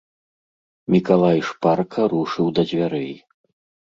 Мікалай шпарка рушыў да дзвярэй.